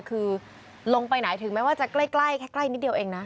คือลงไปไหนถึงแม้ว่าจะใกล้แค่ใกล้นิดเดียวเองนะ